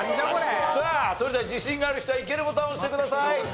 さあそれでは自信がある人はイケるボタンを押してください。